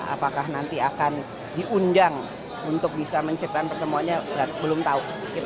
apakah nanti akan diundang untuk bisa menciptakan pertemuannya belum tahu